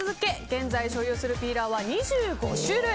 現在、所有するピーラーは２５種類。